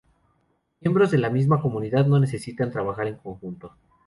Miembros de la misma comunidad no necesitan trabajar en conjunto.